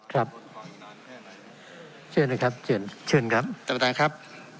ครับเชื่อนเลยครับเชื่อนเชื่อนครับต่ำมาทางครับ